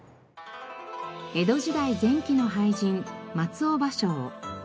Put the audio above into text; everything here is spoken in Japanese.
江戸時代前期の俳人松尾芭蕉。